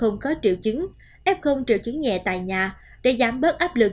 hướng tới điều trị f có triệu chứng f triệu chứng nhẹ tại nhà để giảm bớt áp lực